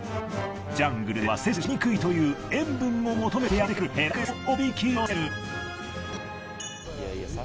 ジャングルでは摂取しにくいという塩分を求めてやってくるヘラクレスをおびき寄せる。